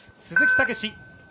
鈴木猛史。